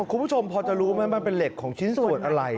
คุณผู้ชมพอจะรู้ไหมมันเป็นเหล็กของชิ้นส่วนอะไร